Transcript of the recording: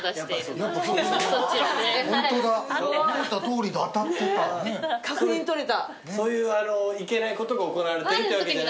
そういういけないことが行われてるってわけじゃないよね。